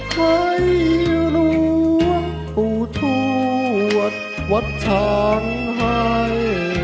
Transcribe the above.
ใครรวงผู้ถวดถวดชางหาย